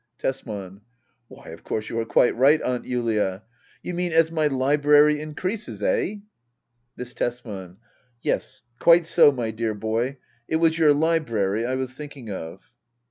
Tesman. Why of course you are quite right. Aunt Julia ! You mean as my library increases — eh ? Miss Tesman. Yes, quite so, my dear boy. It was your library I was thinking of.